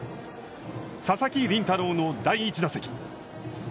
佐々木麟太郎の第１打席。